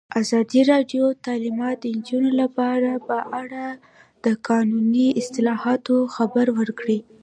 ازادي راډیو د تعلیمات د نجونو لپاره په اړه د قانوني اصلاحاتو خبر ورکړی.